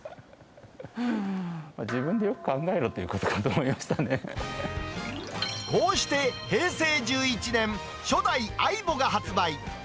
自分でよく考えろということこうして平成１１年、初代ＡＩＢＯが発売。